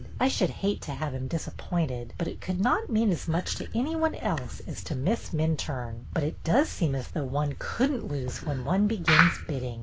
I should hate to have him disappointed, but it could not mean as much to any one else as to Miss Minturne. But it does seem as though one could n't lose when one begins bidding.